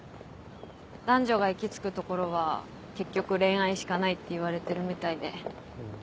男女が行き着くところは結局恋愛しかないって言われてるみたいで。